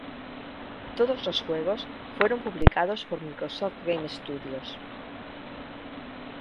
Todos los juegos fueron publicados por Microsoft Game Studios.